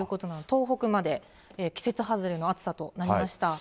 東北まで、季節外れの暑さとなりました。